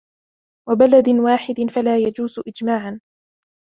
وَبَلَدٍ وَاحِدٍ فَلَا يَجُوزُ إجْمَاعًا